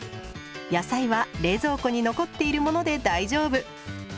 野菜は冷蔵庫に残っているもので大丈夫。